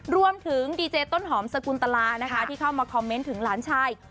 ดีเจต้นหอมสกุลตลานะคะที่เข้ามาคอมเมนต์ถึงหลานชาย